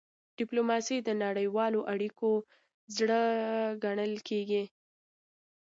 ډيپلوماسي د نړیوالو اړیکو زړه ګڼل کېږي.